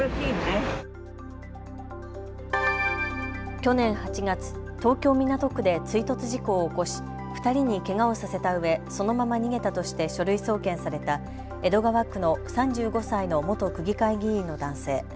去年８月、東京港区で追突事故を起こし２人にけがをさせたうえそのまま逃げたとして書類送検された江戸川区の３５歳の元区議会議員の男性。